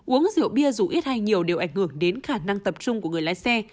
uống rượu bia dù ít hay nhiều đều ảnh hưởng đến khả năng tập trung của người lái xe